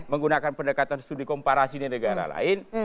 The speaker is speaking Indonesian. menggunakan pendekatan studi komparasi di negara lain